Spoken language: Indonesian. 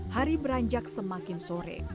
hari beranjak semakin sore